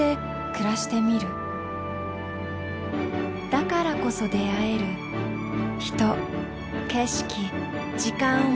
だからこそ出会える人景色時間を求めて。